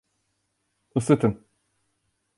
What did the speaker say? Isıtın!